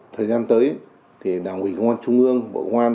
thời gian tới đảng quỳ công an trung ương bộ công an